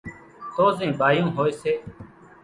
تو زين ٻايون ھوئي سي